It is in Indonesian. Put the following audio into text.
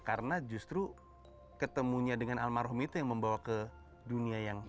karena justru ketemunya dengan almarhum itu yang membawa ke dunia yang sangat luas